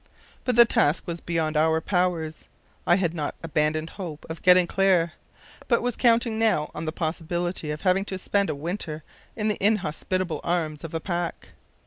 But the task was beyond our powers. I had not abandoned hope of getting clear, but was counting now on the possibility of having to spend a winter in the inhospitable arms of the pack.